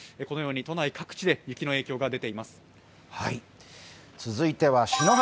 このように都内各地で雪の影響が出ています。